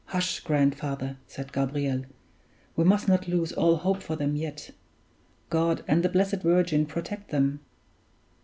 "Hush, grandfather," said Gabriel, "we must not lose all hope for them yet. God and the Blessed Virgin protect them!"